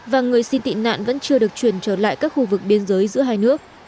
và người xin tị nạn vẫn chưa được chuyển trở lại các khu vực biên giới giữa hai nước